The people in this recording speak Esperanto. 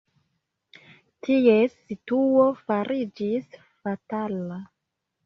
Ties situo fariĝis fatala.